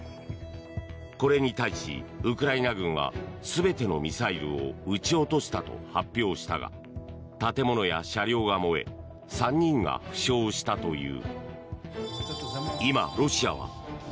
これに対し、ウクライナ軍は全てのミサイルを撃ち落としたと発表したが建物や車両が燃え３人が負傷したという。